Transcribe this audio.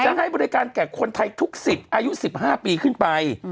ฉันให้บริการแก่คนไทยทุก๑๐อายุ๑๕ปีขึ้นไป